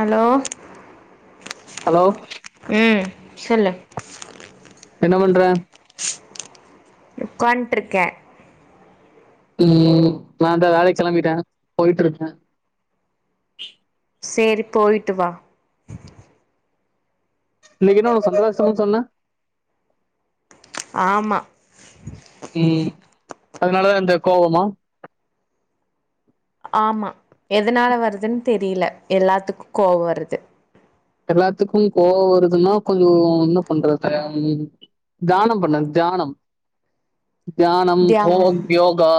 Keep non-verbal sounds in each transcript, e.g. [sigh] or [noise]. Hello hello ம் சொல்லு என்ன பண்ற உக்கான்ட்ருக்கே உ நா இந்தா வேலை கிளம்பிட்ட போயிட்ருக்க சேரி போயிட்டு வா இன்னைக்கி என்ன சந்தோஷம் சொன்ன ஆமா ம் அதனாலதா இந்த கோவமா ஆமா எதனால வருதுன்னு தெரியல எல்லாத்துக்கும் கோவோ வருது எல்லாத்துக்கும் கோவம் வருதுன்னா கொஞ்சோ என்ன பண்றது தியானம் பண்ணு தியானம் தியானம் தியானோ ம் யோகா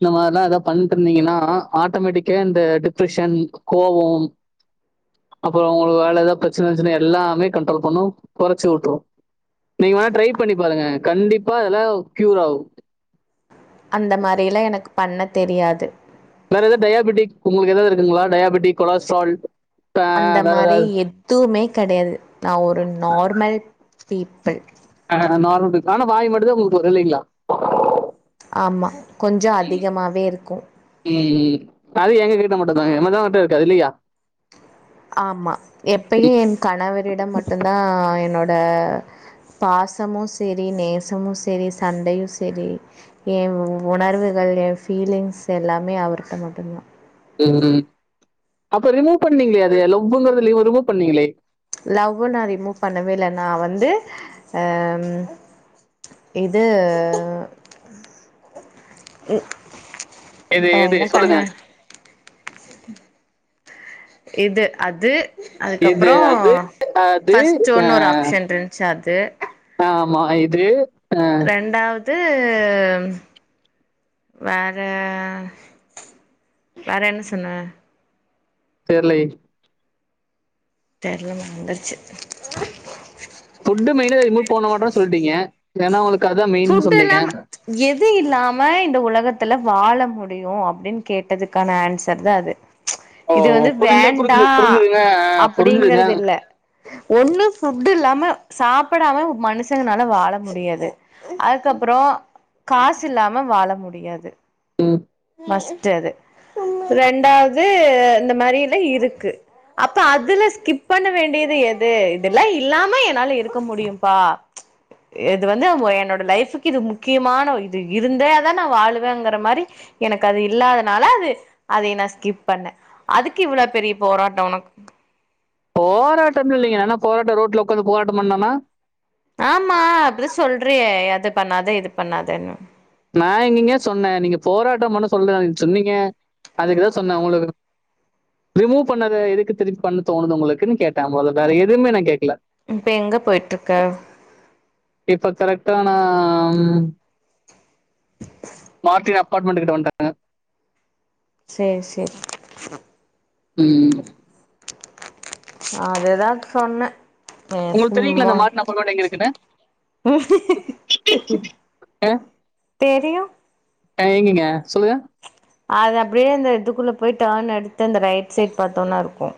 இந்த மாரிலாம் எதாவ பண்ணிட்டு இருந்தீங்கன்னா ஆட்டோமேட்டிக்கா இந்த டிப்ரெஷன் கோவோ அப்பறோ உங்களுக்கு வேற க்குல எதாது ப்ரச்சனை இருந்துச்சுன்னா எல்லாமே கண்ட்ரோல் பண்ணும் கொறச்சு விட்டுரு நீங்க வேணா ட்ரை பண்ணி பாருங்க கண்டிப்பா அதெல்லா கியூர் ஆகு அந்த மாரி எல்லா எனக்கு பண்ண தெரியாது வேற எதா டயாபெடிக் உங்களுக்கு எதாவது இருக்குங்களா டயாபெடிக் கொலஸ்ட்ரால் அந்த வேற மாரி ஏதாவது எதுவுமே கெடையாது நா ஒரு நார்மல் பீப்பிள் ஆ நார்மல் இருக்கு ஆன வாய் மட்டுந்தா உங்களுக்கு வரு இல்லைங்களா ஆமா கொஞ்ச அதிகமாவே இருக்கு ம் ம் அது எங்க கிட்ட மட்டுந்தா எதனா மட்டு இருக்காது இல்லையா ஆமா எப்பையு என் கணவரிடம் மட்டுந்தா என்னோட பாசமு செரி நேசமு செரி சண்டையு செரி எ உணர்வுகள் எ ஃபீலிங்ஸ் எல்லாமே அவர் கிட்ட மட்டுந்தா ம் ம் அப்ப ரிமூவ் பண்ணீங்களே அது லவ்வுங்கிறதுலேயு ரிமூவ் பண்ணீங்களே லவ்வு நா ரிமூவ் பண்ணவே இல்ல நா வந்து அம் இது ம் எது எது சொல்லுங்க இது அது அதுக்கு இது அப்பறோ அது அது ஃபர்ஸ்ட்டு ஒன்னோரு ஆப்ஷன் இருந்துச்சு அது ஆ ஆமா இது அ ரெண்டாவது வேற வேற என்ன சொன்னே தெர்லயே தெர்லமா வந்துருச்சு ஃபுட்டு மெய்னா ரிமு பண்ண மாட்டோனு சொல்லிட்டீங்க ஏன்னா உங்களுக்கு அதான் மெயின் ஃபுட்டு சொன்னீங்க இல்லாம எது இல்லாம இந்த உலகத்துல வாழ முடியு அப்டின் கேட்டதுக்கான ஆன்சர் தா அது ஓ இது வந்து புரிஞ்சு வேண்டா புரிஞ்சு புரிஞ்சுதுங்க புரிஞ்சுதுங்க அப்டிங்கிறது இல்ல ஒண்ணு ஃபுட் இல்லாம சாப்புடாம மனுஷங்களனால வாழ முடியாது அதுக்கு அப்பறோ காசு இல்லாம வாழ முடியாது ம் மஸ்ட்டு அது ரெண்டாவது இந்த மாரி எல்லா இருக்கு அப்ப அதுல ஸ்கிப் பண்ண வேண்டியது எது இதெல்லா இல்லாம என்னால இருக்க முடியும்பா இது வந்து அவுங்க என் என்னோட லைஃப்க்கு இது முக்கியமான ஒரு இது இருந்தே தா நா வாழவேங்கிற மாரி எனக்கு அது இல்லாதனால அது அதையு நா ஸ்கிப் பண்ணே அதுக்கு இவ்ளோ பெரிய போராட்டோ உனக்கு போராட்டம்னு இல்லைங்க நா என்ன போராட்டோ ரோட்ல உக்காந்து போராட்டம் பண்ணனா ஆமா அப்டிதா சொல்றியே அது பண்ணாத இது பண்ணாதேன்னு நா எங்கங்கே சொன்னே நீங்க போராட்டம் பண்ண சொல்லு நீங்க சொன்னீங்க அதுக்கு தா சொன்னே உங்களுக்கு ரிமூவ் பண்ணத எதுக்கு திருப்பி பண்ண தோணுதோ உங்களுக்குன்னு கேட்டே அவ்ளோதா வேற எதுவுமே நா கேக்கல இப்ப எங்கே போய்ட்ருக்க இப்ப கரெக்டா நான் மார்டின் அப்பார்ட்மெண்ட் கிட்ட வன்ட்டங்க சேரி சேரி ம் அதுதா சொன்னே ஏ உங்களுக் தெரியூங்ள இந்த மார்ட் நம்பர் ரோட் எங்க இருக்குன்னு தெரியூ ஆ எங்கீங்க சொல்லுங்க அது அப்படியே இந்த இதுக்குள்ள போய் டேர்ன் எடுத்து அந்த ரைட் சைட் பாத்தோனா இருக்கோ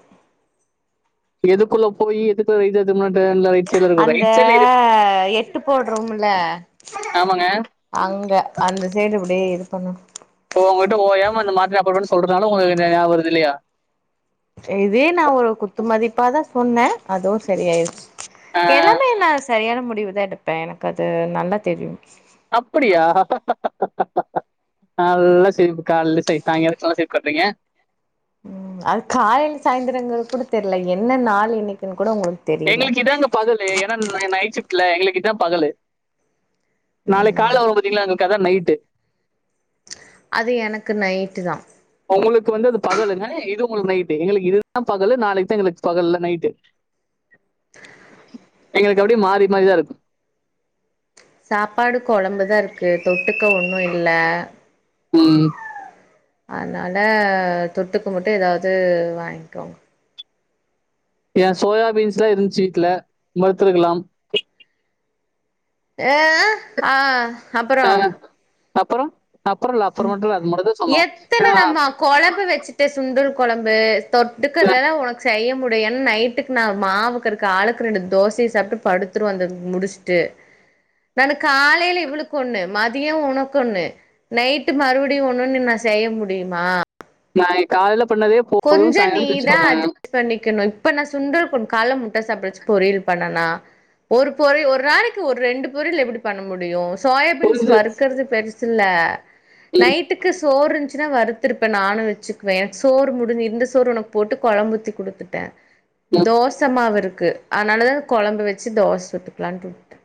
எதுக்குள்ள போயீ எதுக்குள்ள ரைட் எட்த்தோம்னா டோர்ன்ல ரைட் சைடுல இருக்கும். அந்த ரைட் சைடுல இருக்கு. எட்டு போட்றோம்ல்ல ஆமாங்க. அங்க அந்த சைடு இப்டியே எடுக்கொணோ ஓ உங்கிட்ட ஓயாம அந்த மாத்ரய அப்பப்பா சொல்றதுனால உங்களுக்கு இது ஞாபக வருது இல்லலியா இதே நா ஒரு குத்து மதிப்பா தா சொன்னோ அதுவூ சரியாயிடுச்சி அ எல்லாமே நா சரியான முடிவுதா எடுப்பே எனக்கு அது நல்லா தெரியூ அப்படியா நல்லா செய்வ் கால்ல சை சாயங்காலத் தோ சே கட்டுறீங்க ம் அது காலயையில சாய்ந்திரங்க கூட தெரியல என்ன நாள் இன்னைக்குன்னு கூட உங்களுக்கு தெரியல எங்களுக்கு இதாங்க பகலூ ஏன்னா ந நைட் ஷிப்ட்ல எங்களுக்கு இதா பகலு நாளை கால வரூ பாத்தீங்ளா எங்களுக்கு அதா நைட்டு அது எனக்கு நைட்டு தா உங்களுக்கு வந்து அது பகலுங்க இது உங்களுக்கு நைட்டு எங்களுக்கு இதுதா பகலு நாளைக்கு தா எங்களுக்கு பகல்ல நைட்டு எங்களுக்கு அப்டியே மாறி மாறிதா இருக்கே சாப்பாடு குழம்புதா இருக்கு தொட்டுக்க ஒன்னூ இல்ல ம் அந்னால தொட்டுக்க மாட்டே எதாது வாங்கிவோ ஏ சோயாபீன்ஸ்ல்ல எதூவ்வூ சீக்கல வறுத்துருக்கலா எ ஹா ஹ ஹாங் அப்பறோ அப்பறோ அப்பறோல்ல அப்பறோ அது மட்டு தா சொன்னோ அ ஹா கெழம்ப வெச்சிட்டோ சுண்டல் கெழம்பு தொட்டுக்கதான உனக்கு செய்ய முட் மா என்னை நைட்டுக்கு நா மாவுக்கு இருக்கு ஆளுக்கு ரெண்டு தோசைய சாப்டு படுத்துரு வந்த முடிச்சிட்டு நானு காலையில இவளுக்கு ஒன்னு மதியோ உனக்கு ஒன்னு நையீட்டு மறுபடியே இண்ணொன்னு நா சொய்ய முடியுமா நாய காலையில பண்ணதே போதூ சாயங்காளோ வெச்சிக்கோங்க இப்ப நிக்கனனூ இப்ப சுண்டல் குட்க் கால முட்டை சாப்டச்சி பொரியல் பண்ணோனா ஒரு பொறி ஒரு நாளைக்கு ஒரு ரெண்டு பொறில் எப்டி பண்ண முடியு சோயாபீன்ஸ் புரிஞ்சு வறுக்கறது பெருசு இல்ல ம், நைட் ட்டுக்கு சோறு இருந்துச்சுன்னா வருத்துருப்போ நானு வச்சுக்குவே எனக்கு சோறு முட் ட்டி இருந்த சோறு உனக்கு போட்டு கொழம்பூத்தி குடுத்துட்டே ம். தோசமாவு இருக்கு அத்னாலதா கொழம்பு வெச்சி தோச சுட்டுக்கலான்ட்டு விட்டோ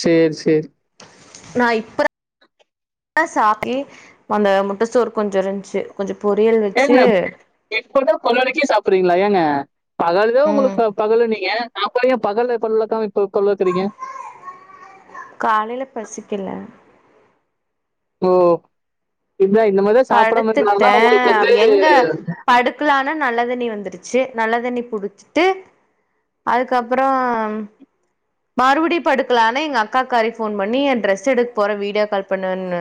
சேர் சேரி நா இப்ப தா சாக்கி அந்த முட்டெ சோர் கொஞ்சோ இருந்ச்சு கொஞ்சோ பொரியல் வெச்சு இப்பதா பல் வெலக்கி சாப்பிறீங்களா ஏங்க பகல்தா ம் உங்களுக்கு பகலுன்னீங்க அப்ப ஏ பகல்ல பல் விலக்கமா இப்ப பல் வலக்கறீங்க காலைல பசிக்கில ஓ இதா இந்த மேரிதா சாப்டமா இருக்கநாலதா படுத்துட்டே உங்களுக்கு வந்து க்காலன நல்ல தண்ணி வந்துருச்சு நல்ல தண்ணி புடிச்சிட்டு அதுக்கப்புறோ மறுவடி படுக்கலானான் எங்க அக்காக்காரி ஃபோன் பண்ணி எ ட்ரெஸ் எடுக்க போற வீடியோ கால் பண்ணுன்னு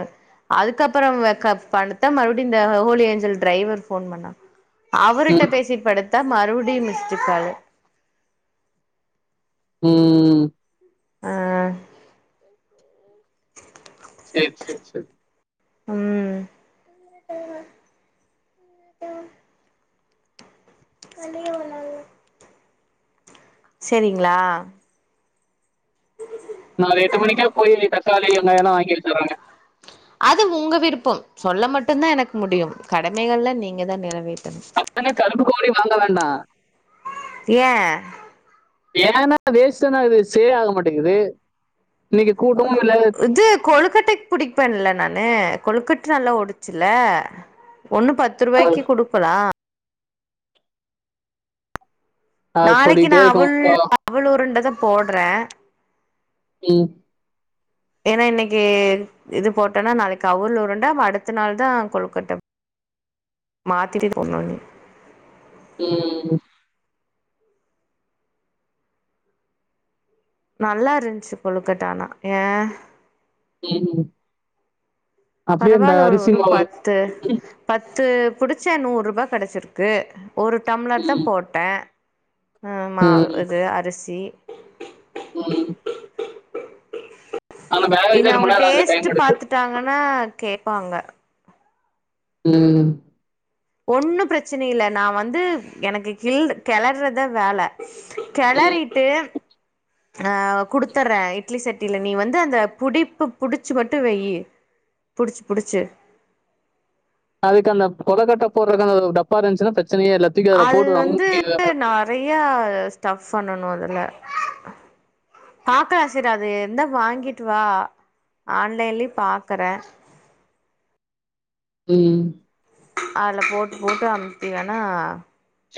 அதுக்கப்புறோ வே க படுத்தா மறுபடி இந்த ஹோலி எஞ்சல் டிரைவர் ஃபோன் பண்ணா அவருட்ட ம், பேசிட் படுத்தா மறுபடியூ மிஸ்ட்டுகாள் ம் அ சேர் சேர் சேர் ம் சேரிங்ளா நாளை எட்டு மணிக்கே போய் தக்காளி வெங்காயோல்லா வாங்கி வச்சறங்க அது உங்க விருப்பம் சொல்ல மட்டுந்தா எனக்கு முடியு கடமைகள்ல நீங்க தா நிறைவேற அத்தன கருப்பு கோழி வாங்க வேண்டா ஏ வேண்ணா வேஸ்டுதா அது சேல் ஆக மாட்டேங்குது இன்னைக்கு கூட்டமு இல்ல கொழுக்கட்டைக் புடிப்பேன்ல நானு கொழுக்கட்ட நல்லா ஒடுச்சுல ஒண்ணு பத்து ருவாய்க்கு குடுக்கலா அ நாளைக்கு நா சொல்லிட்டே அவுல் இருக்கணும். அ அவுள் உருண்டதா போட்றே [unintelligible] ஏன்னா இன்னைக்கு இது போட்டன்னா நாளைக்கு அவுல் உருண்ட அடுத்த நாள் தா கொழுக்கட்ட மாத்திட்டு போட்டு இனிமே ம் நல்லா இருந்ச்சு கொழுக்கட்டா ஆனா அ ம் அப்டியே அந்த அரிசி மாவு து பத்து பத்து புடிச்ச நூறு ருவா கெடச்சிருக்கு ஒரு டம்ளர் தா ம், போட்டே மாவு ம், இது அரிசி ம் ஆனா வேக இதூ வைக்க ரொம்ப அவுங்க நேரம் ஆகுது டைம் டேஸ்ட்டு எடுத்து. பாத்துட்டாங்கன்னா கேப்பாங்க ம் ஒண்ணு பிரச்சனை இல்ல நா வந்து எனக்கு கெளர்றத வேல ம். கெளறிட்டு அ குடுத்துர்றே இட்லி சட்டியில நீ வந்து அந்த புடிப்பு புடிச்சி மட்டு வைய்யு புடிச்சி புடிச்சி புடிச்சி அதுக்கு அந்த கொழுக்கட்ட போட்றதுக்கான டப்பா இருந்துச்ன்னா பிரச்சனையே இல்லா தூக்கி அதுல போட்டு அமிக்கி நறையா ஸ்டஃப் பண்ணணு அதுல பாக்கலா சேரி அது இருந்த வாங்கிட்டு வா ஆன்லைன்லியு பாக்குறே ம் அதில போட்டு போட்டு அமிக்கி வேணா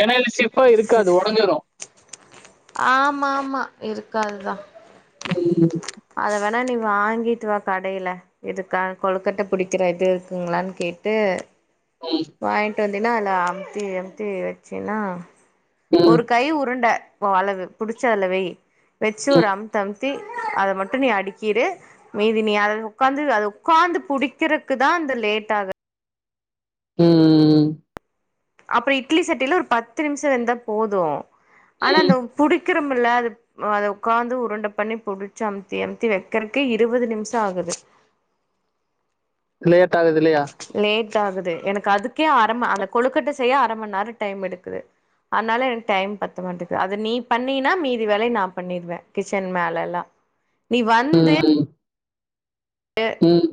ஏனா இதுல ஸ்டிஃவ்வா இருக்காது உடஞ்சிரு ஆமா ஆமா இருக்காதுதா ம் அதை வேணா நீ வாங்கிட்டு வா கடையில இதுக்க கொழுக்கட்ட புடிக்கிற இது இருக்குங்ளானு கேட்டு ம் வாய்ன்ட்டு வந்தீன்னா அதுல அமுத்தி அமுத்தி வச்சின்னா ஒரு கை உருண்ட ஓ அளவு பிடிச்சு அதுல வை வச்சு ஒரு அமுத்து அமுத்தி அத மட்டு நீ அடிக்குடு மீதி நீ அத உக்காந்து அது உக்காந்து புடிக்கக்ரக்குதா அது லேட் ஆகு ம் அப்றோ இட்லி சட்டியில ஒரு பத்து நிமிஷோ இருந்தா போது ஆனா அந்த புடிக்கிறம்ல அது அத உக்காந்து உருண்ட பண்ணி புடிச்சி அமுத்தி அமுத்தி வெக்கறக்கு இருவது நிமிஷ ஆகுது லேட் ஆகுது இல்லையா லேட் ஆகுது எனக்கு அதுக்கே அரம அந்த கொழுக்கட்ட செய்ய அர மண் நேரோ டைம் எடுக்குது அதனால எனக்கு டைம் பத்த மாட்டேது அது நீ பண்ணினா மீதி வேல நா பண்ணிடுவே கிச்சன் மேல எல்லா நீ ம், வந்து எ ம்.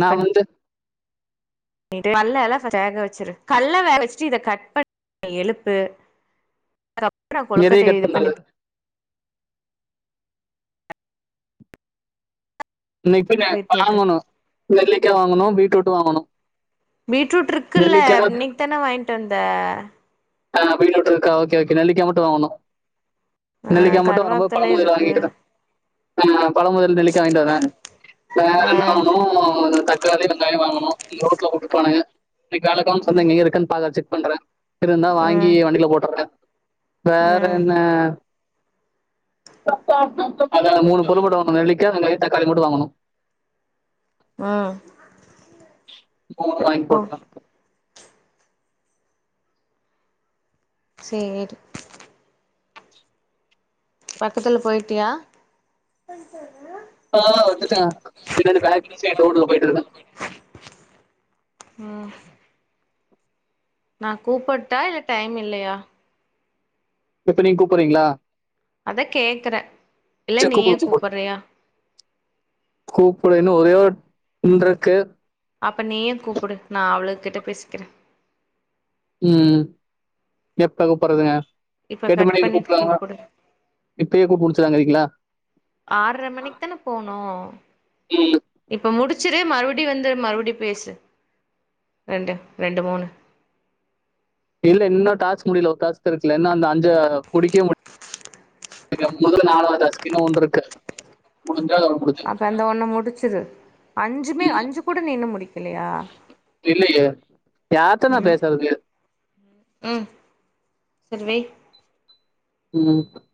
நா வந்து பண்ணிட்டு கல்ல எல்லா ஃபஸ்ட் வேக வச்சிரு கல்ல வேக வச்ட்டு இத கட் பண்ணி எழுப்பு அதப்றோ எதையை கொழுக்கட்ட கட் இது பண்ணி பண்றது இன்ன இப்ப ந பீட்ரூட் வாங்கணு நெல்லிக்கா வாங்கணு பீட்ரூட் வாங்கணு பீட்ரூட் இருக்குல்ல இன்னைக் தான வாய்ட்டு வந்தே ஆ பீட்ரூட் இருக்கா ஓகே ஓகே நெல்லிக்கா மட்டு வாங்கணு ஆ நெல்லிக்கா மட்டு வர போது பழ கருவாப்தல முதிர்ல இருக்கு வாங்கிட்டு தா ஆமா பழ முதிர்ல நெல்லிக்க வாய்ன்ட்டு வாரே வேற ஆ என்ன வாங்கனு தக்காளி வெங்காய வாங்கணு [unintelligible] கூட்ருப்பானுங்க லைக் ஏலக்காவு சம்மங்கியு இருக்கான் பாக்ற செக் பண்றே இருந்தா வாங்கி ம் வண்டியில போட்டற்ற வேற ம் என்ன அதல மூணு பொருள் மட்டு வாங்கனு நெல்லிக்கா வெங்காய தக்காளி மட்டு வாங்கனு ம் போ வாய்ங்கி ஓ போட்ற சேரி பக்கத்துல போய்ட்டியா ஆ வந்துட்ட பின்னாடி பேக் சைடு ரோட்ல போய்ட்ருக்கே ம் நா கூப்புட்டா இல்ல டைம் இல்லையா இப்ப நீங்க கூப்புறீங்ளா அதா கேக்கற இல்ல சரி நீயே கூப்பிடு கூப்பறியா கூப்புடலன்னு ஒரே ஒரு இன்றக்கு அப்ப நீயே கூப்புடு நா அவளுகிட்ட பேசிக்கிற ம் எப்ப கூப்பறதுங்க இப்ப எட்டு கட் மணிக்கு பண்ணிட்டு கூப்றாங்க கூப்புடு இப்பேயே கூப் முட்ச்சுறாங்கறீங்ளா ஆற்ர மணிக் தான போனு ம் இப்போ முடிச்சிரு மறுபடியு வந்து மறுபடி பேசு ரெண்டு ரெண்டு மூணு இல்ல இன்ன டாஸ்க் முடியல ஒரு டாஸ்க் தெர்க்ல இன்னா அந்த அஞ்ச முடிக்க முட் க்ல மொதல்ல நாளாது டாஸ்கே இன்னு ஒன்ருக்கு முடிஞ்சா முடிஞ்சு அப்ப அந்த ஒண்ண முடிச்சிரு அஞ்சுமே அஞ்சு கூட நீ இன்னு முடிக்கலயா இல்லயே யார்ட்ட நா ம் பேசறது ம் சேரி வை ம்